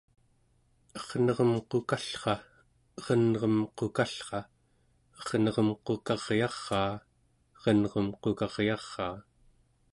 ernerem qukallra, erenrem qukallra, ernerem qukaryaraa, erenrem qukaryaraa